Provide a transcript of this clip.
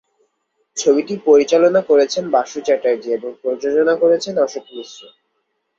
ছবিটি পরিচালনা করেছেন বাসু চ্যাটার্জী এবং প্রযোজনা করেছেন অশোক মিশ্র।